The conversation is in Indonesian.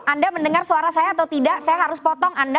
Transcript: anda mendengar suara saya atau tidak saya harus potong anda